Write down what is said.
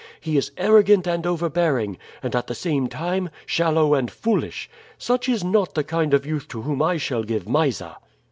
He is arrogant and overbearing, and, at the same time, shallow and foolish. Such is not the kind of youth to whom I shall give Mysa."